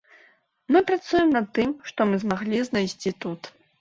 Мы працуем на тым, што мы змаглі знайсці тут.